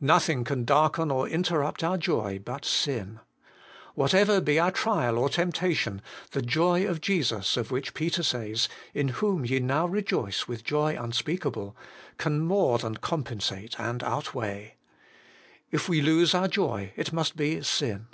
Nothing can darken or interrupt our joy but sin. Whatever be our trial or temptation, the joy of Jesus of which Peter says, ' in whom ye now rejoice with joy unspeakable/ can more than compensate and outweigh. If we lose our joy, it must be sin.